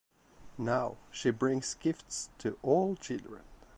Now, she brings gifts to all children.